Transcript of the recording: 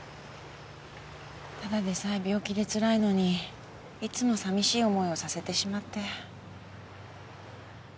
ただでさえ病気でつらいのにいつも寂しい思いをさせてしまって。